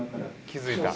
気づいた？」